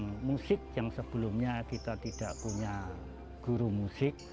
dengan musik yang sebelumnya kita tidak punya guru musik